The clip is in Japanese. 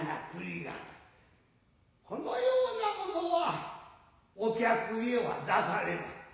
このようなものはお客へは出されまい。